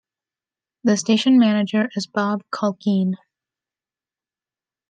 The Station Manager is Bob Culkeen.